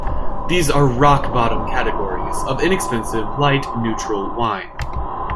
These are rock bottom categories of inexpensive, light, neutral wine.